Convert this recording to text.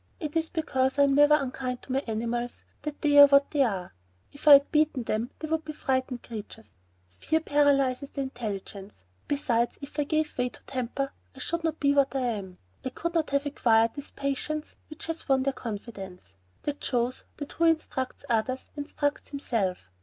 It is because I am never unkind to my animals that they are what they are. If I had beaten them they would be frightened creatures; fear paralyzes the intelligence. Besides, if I gave way to temper I should not be what I am; I could not have acquired this patience which has won their confidence. That shows that who instructs others, instructs himself.